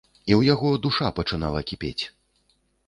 І ў яго душа пачынала кіпець.